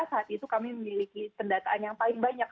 saat itu kami memiliki pendataan yang paling banyak